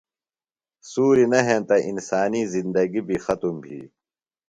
سُوری نہ ہینتہ انسانی زندگی بیۡ ختم بھی۔